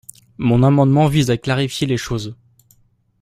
Mon amendement vise à clarifier les choses.